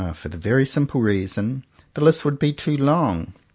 for the very simple reason — the list would be too long!